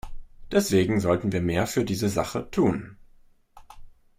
Deswegen sollten wir mehr für diese Sache tun.